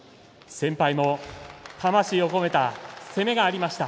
先輩が魂を込めた攻めがありました。